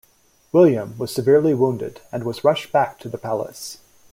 William was severely wounded and was rushed back to the palace.